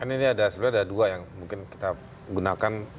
ini ada dua yang mungkin kita gunakan